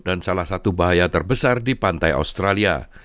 dan salah satu bahaya terbesar di pantai australia